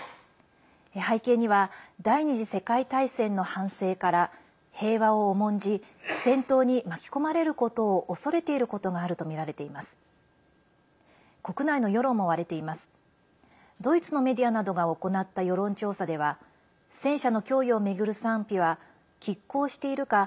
背景には第２次世界大戦の反省から平和を重んじ戦闘に巻き込まれることを恐れていることがあるとみられています。